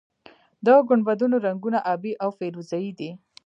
د ګنبدونو رنګونه ابي او فیروزه یي دي.